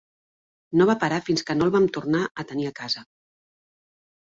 No va parar fins que no el vam tornar a tenir a casa.